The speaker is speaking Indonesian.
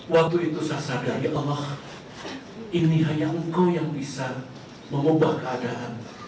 waktu itu saya sadar ya allah ini hanya engkau yang bisa mengubah keadaan